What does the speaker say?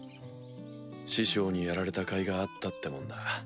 師匠にやられたかいがあったってもんだ。